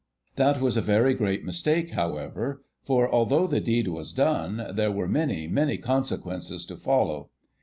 That was a very great mistake, however, for, although the deed was done, there were many, many consequences to follow.